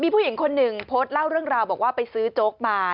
ผู้หญิงคนหนึ่งโพสต์เล่าเรื่องราวบอกว่าไปซื้อโจ๊กมา